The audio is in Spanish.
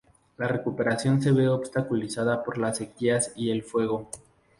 La recuperación se ve obstaculizada por las sequías y el fuego.